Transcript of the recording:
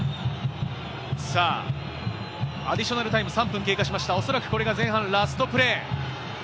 アディショナルタイム３分経過しました、おそらくこれが前半ラストプレー。